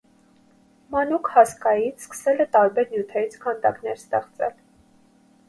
Մանուկ հասկաից սկսել է տարբեր նյութերից քանդակներ ստեղծել։